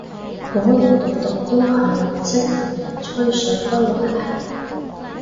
果然毒毒都係唔識同人吹水開話題